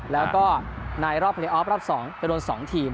แล้วก็ในรอบเพลยออฟรอบ๒ไปโดน๒ทีม